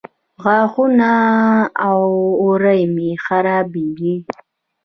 غاښونه او اورۍ مې خرابې دي